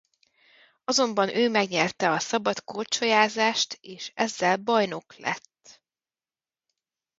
Azonban ő megnyerte a szabad korcsolyázást és ezzel bajnok lett!